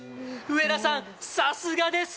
上田さん、さすがです。